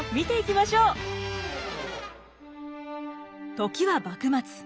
時は幕末。